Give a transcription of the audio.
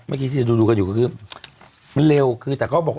เมื่อกี้ทีสิดูอยู่คือ